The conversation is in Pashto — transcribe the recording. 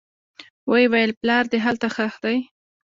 ويې ويل پلار دې هلته ښخ دى.